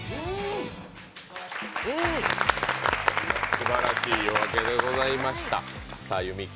すばらしい夜明けでございました。